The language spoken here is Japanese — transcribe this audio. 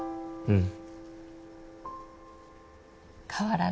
うん。